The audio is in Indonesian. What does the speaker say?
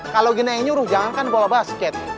kalo gina yang nyuruh jangankan bola basket